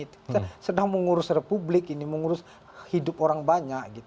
kita sedang mengurus republik ini mengurus hidup orang banyak